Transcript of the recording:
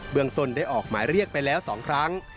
ตนได้ออกหมายเรียกไปแล้ว๒ครั้ง